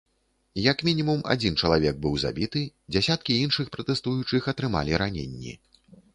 Як мінімум адзін чалавек быў забіты, дзясяткі іншых пратэстуючых атрымалі раненні.